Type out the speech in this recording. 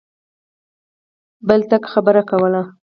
بل ټک خبره کوله.